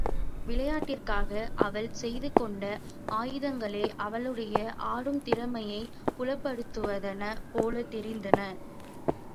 விளையாட்டிற்காக அவள் செய்துகொண்ட ஆயத்தங்களே, அவளுடைய ஆடும் திறமையைப் புலப்படுத்துவன போலத்தெரிந்தன.